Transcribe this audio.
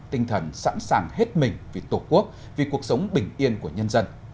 tinh thần sẵn sàng hết mình vì tổ quốc vì cuộc sống bình yên của nhân dân